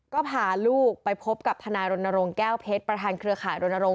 ก็พาลูกไปพบกับทนายรณรงค์แก้วเพชรประธานเครือข่ายรณรงค